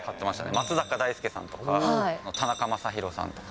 松坂大輔さんとか、田中将大さんとか。